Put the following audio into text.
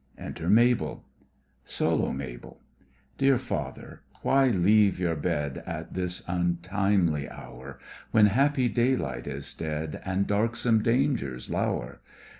(Enter MABEL) SOLO—MABEL Dear father, why leave your bed At this untimely hour, When happy daylight is dead, And darksome dangers low'r?